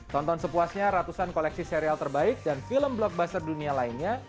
tonton sepuasnya ratusan koleksi serial terbaik dan film blockbuster dunia lainnya